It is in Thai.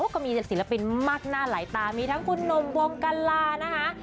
ก็มีจากศิลปินมากหน้าหลายตามีทั้งคุณหนุ่มวงกัลลานะคะ